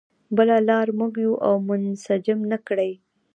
بله لار موږ یو او منسجم نه کړي.